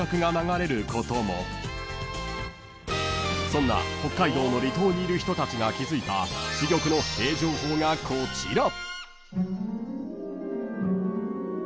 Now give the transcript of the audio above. ［そんな北海道の離島にいる人たちが気付いた珠玉のへぇー情報がこちら］